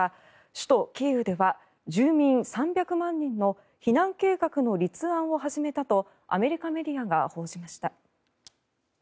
首都キーウでは住民３００万人の避難計画の立案を始めたとアメリカメディアが報じました。